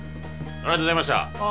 ありがとうございましたああ